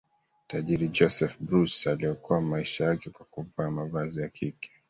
tajiri joseph bruce aliokoa maisha yake kwa kuvaa mavazi ya kike